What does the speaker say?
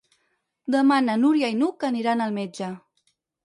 Demà na Núria i n'Hug aniran al metge.